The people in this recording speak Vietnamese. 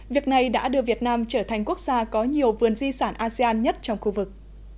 việc này đã đưa việt nam trở thành quốc gia có nhiều vườn di sản asean nhất trong khu vực